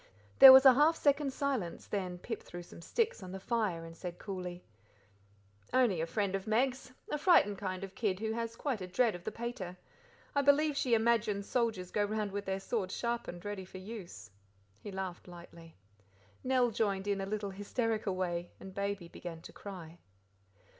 There was a half second's silence, then Pip threw some sticks on the fire and said coolly: "Only a friend of Meg's, a frightened kind of kid who has quite a dread of the pater. I believe she imagines soldiers go round with their swords sharpened, ready for use." He laughed lightly. Nell joined in in a little hysterical way, and Baby began to cry.